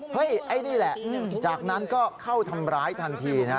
ไอ้นี่แหละจากนั้นก็เข้าทำร้ายทันทีนะ